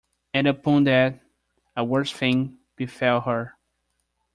And upon that a worse thing befell her.